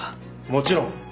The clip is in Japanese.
もちろん。